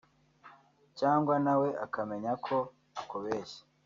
cyangwa nawe ukamenya ko akubeshya